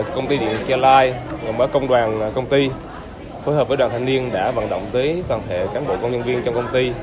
công ty điện thường trung công đoàn công ty phối hợp với đoàn thanh niên đã vận động tới toàn thể cán bộ công nhân viên trong công ty